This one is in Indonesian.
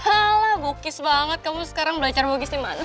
ala bukis banget kamu sekarang belajar bukis nih manus